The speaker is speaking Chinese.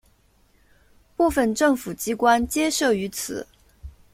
部分政府机关皆设于此。